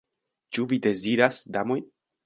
Ĉu vi deziras, damoj?